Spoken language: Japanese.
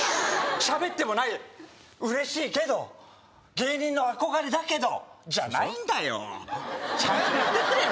しゃべってもないうれしいけど芸人の憧れだけどじゃないんだよちゃんとやってくれよ